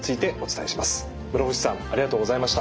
室伏さんありがとうございました。